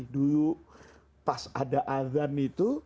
dulu pas ada adhan itu